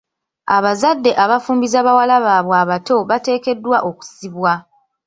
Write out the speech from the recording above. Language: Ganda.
Abazadde abafumbiza bawala baabwe abato bateekeddwa okusibwa .